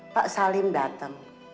pak salim datang